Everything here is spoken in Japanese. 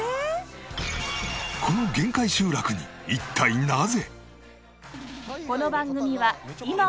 この限界集落に一体なぜ？